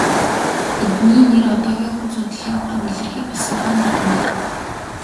Эдний нэр одоогийн хүн судлалын ухаанд илэрхий болсон том эрдэмтэд.